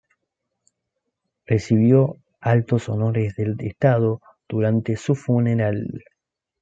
Recibió altos honores del estado durante su funeral.